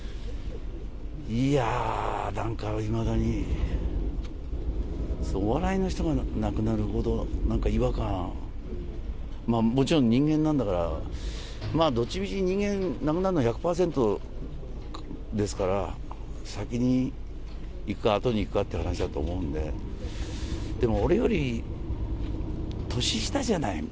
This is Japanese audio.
いやー、なんかいまだに、お笑いの人が亡くなるほどなんか違和感、まあ、もちろん人間なんだから、どっちみち人間亡くなるのは１００％ですから、先に逝くか後に逝くかっていう話だと思うんで、でも俺より年下じゃない。